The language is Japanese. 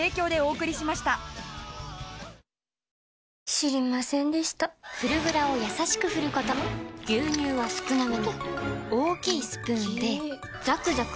知りませんでした「フルグラ」をやさしく振ること牛乳は少なめに大きいスプーンで最後の一滴まで「カルビーフルグラ」